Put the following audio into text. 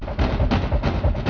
apeknya pasti haut ye bong